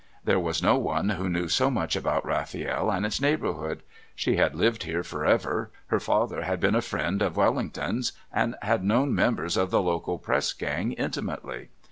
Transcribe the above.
There was no one who knew so much about Rafiel and its neighbourhood; she had lived here for ever, her father had been a friend of Wellington's and had known members of the local Press Gang intimately.